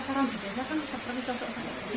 relah mencari vaksin